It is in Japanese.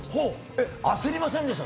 焦りませんでした？